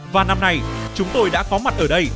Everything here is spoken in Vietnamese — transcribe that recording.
và năm nay chúng tôi đã có mặt ở đây